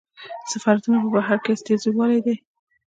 سفارتونه په بهر کې استازولۍ دي